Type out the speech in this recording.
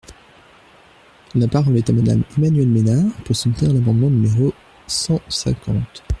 La parole est à Madame Emmanuelle Ménard, pour soutenir l’amendement numéro cent cinquante.